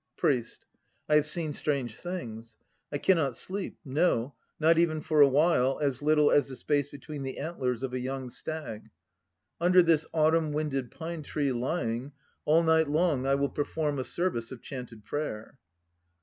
PRIEST. I have seen strange things. I cannot sleep, no, not even for a while as little as the space between the antlers of a young stag. Under this autumn winded pine tree lying, all night long I will perform a service of chanted prayer.